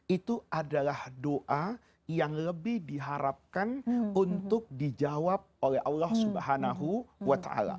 itu adalah doa yang lebih diharapkan untuk dijawab oleh allah swt